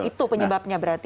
itu penyebabnya berarti